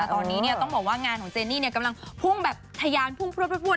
ตอนนี้ต้องบอกว่างานของเจนี่กำลังพุ่งแบบทะยานพุ่งพลวด